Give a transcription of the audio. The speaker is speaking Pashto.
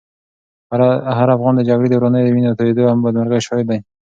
هر افغان د جګړې د ورانیو، وینو تویېدو او بدمرغیو شاهد دی.